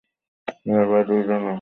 ইহার পরে দুইজনে আর কথা হইল না।